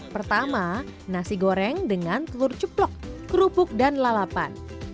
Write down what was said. pertama nasi goreng dengan telur ceplok kerupuk dan lalapan